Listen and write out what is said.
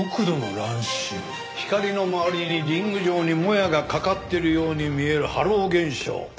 光の周りにリング状にもやがかかってるように見えるハロー現象。